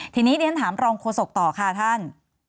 ทีนี้เรียนถามรองโฆษกต่อค่ะท่าน